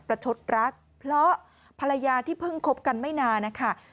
ชดรักเพราะภรรยาที่เพิ่งคบกันไม่นานนะคะ